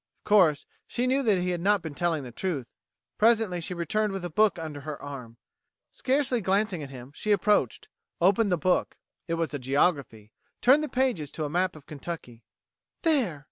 Of course she knew that he had not been telling the truth. Presently she returned with a book under her arm. Scarcely glancing at him, she approached, opened the book it was a geography turned the pages to a map of Kentucky. "There!"